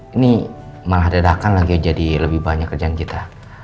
ini malah dadakan lagi jadi lebih banyak kerjaan kita